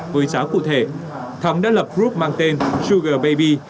với giá cụ thể thắng đã lập group mang tên sugar baby